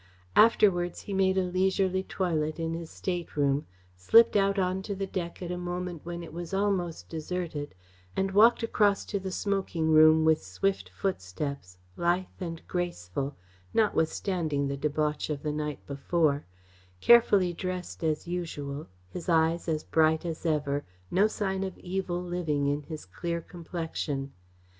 Afterwards he made a leisurely toilet in his stateroom, slipped out on to the deck at a moment when it was almost deserted, and walked across to the smoking room with swift footsteps, lithe and graceful, notwithstanding the debauch of the night before, carefully dressed as usual, his eyes as bright as ever, no sign of evil living in his clear complexion.